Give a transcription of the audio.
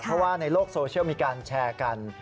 เพราะว่าในโลกโซเชียลมีการแชร์กัน